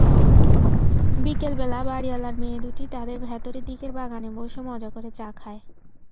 বিকেলবেলা বাড়িঅলার মেয়ে ুদটি তাদের ভেতরের দিকের বাগানে বসে মজা করে চা খায়।